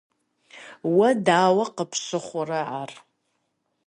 Уэ дауэ къыпщыхъурэ ар?